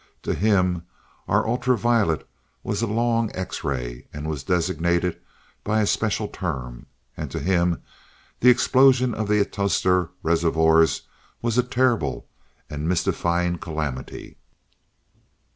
To him, our ultra violet was a long X ray, and was designated by a special term. And to him the explosion of the atostor reservoirs was a terrible and mystifying calamity.